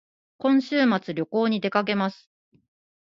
今週末旅行に出かけます